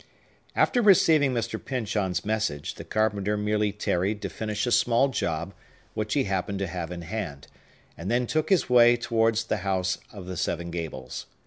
After receiving Mr. Pyncheon's message, the carpenter merely tarried to finish a small job, which he happened to have in hand, and then took his way towards the House of the Seven Gables.